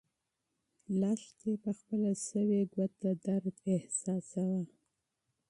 لښتې په خپله سوې ګوته درد احساساوه.